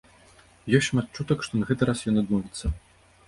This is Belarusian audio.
Ёсць шмат чутак, што на гэты раз ён адмовіцца.